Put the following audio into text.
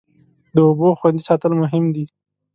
د اوبو خوندي ساتل مهم دی.